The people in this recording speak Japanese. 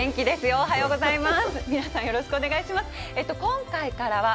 おはようございます。